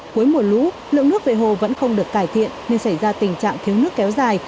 cuối mùa lũ lượng nước về hồ vẫn không được cải thiện nên xảy ra tình trạng thiếu nước kéo dài